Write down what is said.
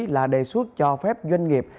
là đề xuất cho phép doanh nghiệp